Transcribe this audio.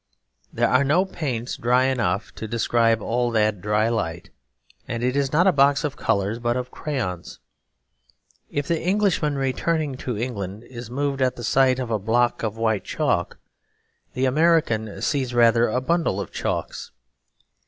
There are no paints dry enough to describe all that dry light; and it is not a box of colours but of crayons. If the Englishman returning to England is moved at the sight of a block of white chalk, the American sees rather a bundle of chalks.